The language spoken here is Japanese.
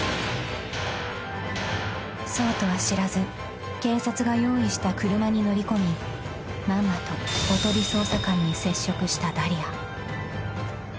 ［そうとは知らず警察が用意した車に乗り込みまんまとおとり捜査官に接触したダリア］